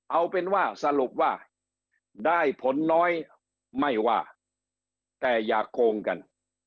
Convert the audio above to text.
เอาเป็นว่าสรุปว่าได้ผลน้อยไม่ว่าแต่อย่าโกงกัน